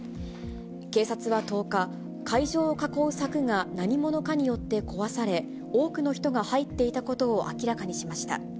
警察は１０日、会場を囲う柵が何者かによって壊され、多くの人が入っていたことを明らかにしました。